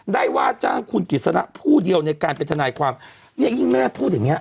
ว่าจ้างคุณกิจสนะผู้เดียวในการเป็นทนายความเนี่ยยิ่งแม่พูดอย่างเงี้